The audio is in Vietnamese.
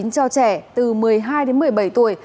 cho trẻ từ một mươi hai đến một mươi bảy tuổi